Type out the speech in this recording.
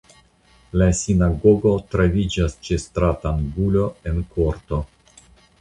La sinagogo troviĝas ĉe stratangulo en korto.